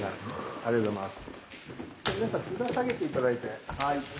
ありがとうございます。